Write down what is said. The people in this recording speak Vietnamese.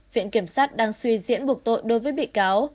viện kiểm sát đang suy diễn buộc tội đối với bị cáo